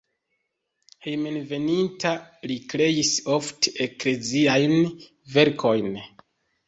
Hejmenveninta li kreis ofte ekleziajn verkojn.